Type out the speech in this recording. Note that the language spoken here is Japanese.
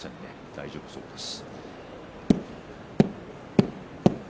大丈夫そうです。